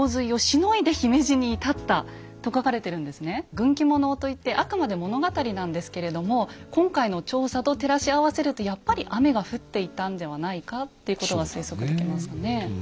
「軍記物」といってあくまで物語なんですけれども今回の調査と照らし合わせるとやっぱり雨が降っていたんではないかっていうことは推測できますよね。